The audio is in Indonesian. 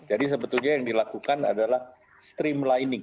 jadi sebetulnya yang dilakukan adalah streamlining